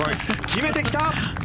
決めてきた！